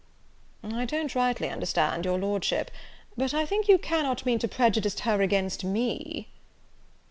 "I don't rightly understand your Lordship, but I think you cannot mean to prejudice her against me?"